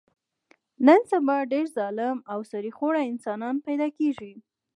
نن سبا ډېر ظالم او سړي خور انسانان پیدا کېږي.